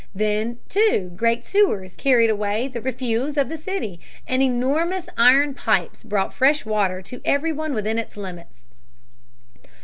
Then, too, great sewers carried away the refuse of the city, and enormous iron pipes brought fresh water to every one within its limits.